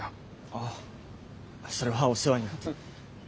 あそれはお世話になって。